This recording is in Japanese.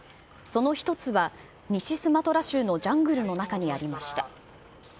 その１つは西スマトラ州のジャングルの中にありました。